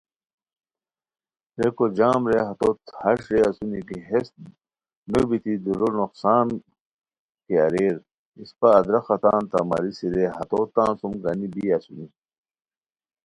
ریکو جام رے ہتوت ہݰ رے اسونی کی ہیس نوبیتی دورو نقصان کی اریر اسپہ ادرخہ تان تہ ماریسی رے ہتو تان سوم گانی بی اسونی